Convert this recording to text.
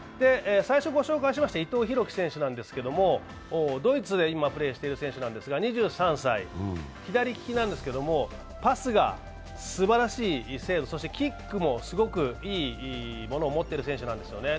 伊藤洋輝選手ですが、ドイツで今プレーしている選手なんですが、２３歳、左利きなんてですけれども、パスがすばらしい精度、そして、キックもすごくいいものを持っている選手なんですよね。